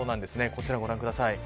こちらをご覧ください。